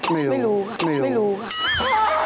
ไม่รู้ค่ะไม่รู้ค่ะ